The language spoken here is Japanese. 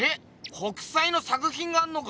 北斎の作品があんのか？